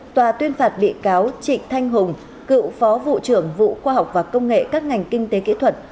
tòa tuyên phạt bị cáo trịnh thanh hùng cựu phó vụ trưởng vụ khoa học và công nghệ các ngành kinh tế kỹ thuật